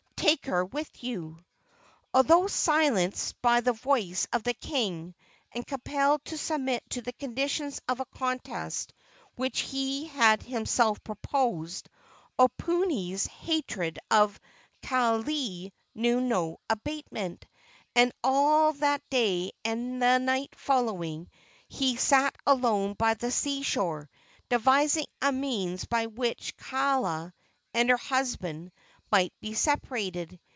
Take her with you." Although silenced by the voice of the king, and compelled to submit to the conditions of a contest which he had himself proposed, Oponui's hatred of Kaaialii knew no abatement, and all that day and the night following he sat alone by the sea shore, devising a means by which Kaala and her husband might be separated.